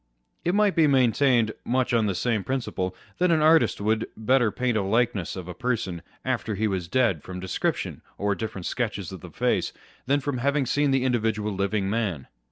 It might be maintained, much on the same principle, that an artist would paint a better likeness of a person after he was dead, from description or different sketches of the face, than from having seen the individual living man.